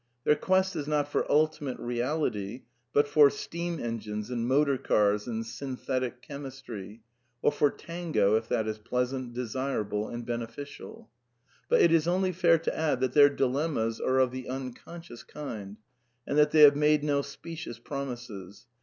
Their quest is not for Ultimate Reality, but for steam engines and motor cars and synthetic chemistry; or for Tango, if that is pleasant, desirable, and beneficial. But it is only fair to add that their dilemmas are of the unconscious kind, and that they have made no specious promises.